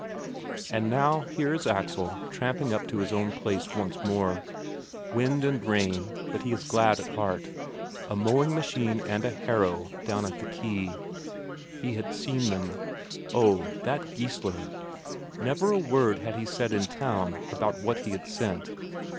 And now here is Axel tramping up to his own place once more. Wind and rain, but he is glad at heart; a mowing machine and a harrow down at the quay; he had seen them. Oh, that Geissler! Never a word had he said in town about what he had sent.